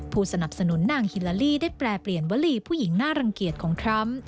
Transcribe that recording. สนับสนุนนางฮิลาลีได้แปรเปลี่ยนวลีผู้หญิงน่ารังเกียจของทรัมป์